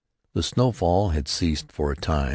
The snowfall had ceased for a time.